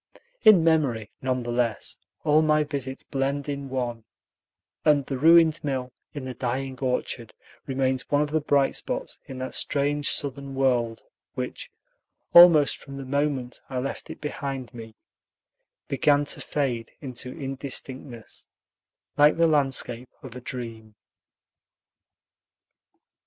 In memory, none the less, all my visits blend in one, and the ruined mill in the dying orchard remains one of the bright spots in that strange Southern world which, almost from the moment I left it behind me, began to fade into indistinctness, like the landscape of a dream.